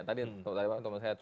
tadi malam teman teman saya cakap